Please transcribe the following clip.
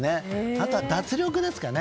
あとは脱力ですかね。